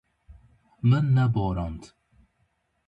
Min neborand.